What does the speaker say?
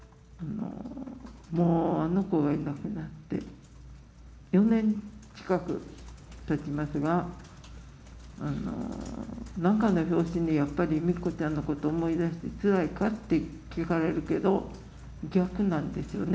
もうあの子がいなくなって、４年近くたちますが、なんかの拍子に、やっぱり美希子ちゃんのこと思い出してつらいかって聞かれるけど、逆なんですよね。